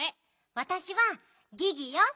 わたしはギギよ。